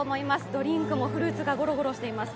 ドリンクもフルーツがごろごろしています。